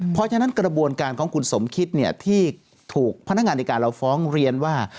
เพราะฉะนั้นกระบวนการของคุณสมคิดที่ถูกพนักงานในการเราฟ้องเรียนว่า